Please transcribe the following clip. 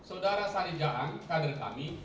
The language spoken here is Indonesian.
saudara sari jarang kader kami